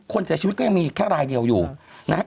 คนเสียชีวิตก็ยังมีแค่รายเดียวอยู่นะครับ